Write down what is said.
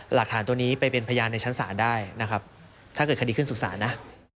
หลักฐานตัวนี้ไปเป็นพยานในชั้นศาลได้ถ้าเกิดคดีขึ้นศุกรศาสตร์นะ